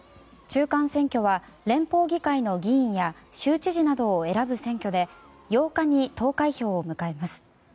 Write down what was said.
中間選挙は連邦議会の議員や州知事などを選ぶ選挙で８日に投開票を迎えます。